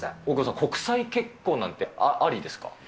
大久保さん、国際結婚なんてありですか？